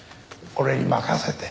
俺に任せて。